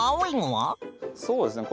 そうですね